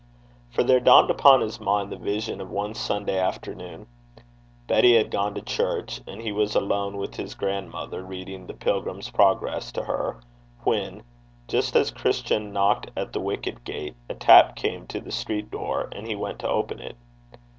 For there dawned upon his mind the vision of one Sunday afternoon. Betty had gone to church, and he was alone with his grandmother, reading The Pilgrim's Progress to her, when, just as Christian knocked at the wicket gate, a tap came to the street door, and he went to open it.